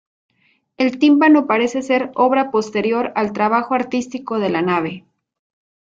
El tímpano parece ser obra posterior al trabajo artístico de la nave.